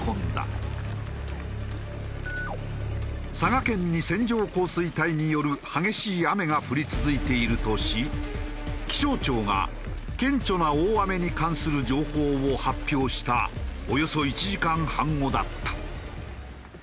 佐賀県に線状降水帯による激しい雨が降り続いているとし気象庁が「顕著な大雨に関する情報」を発表したおよそ１時間半後だった。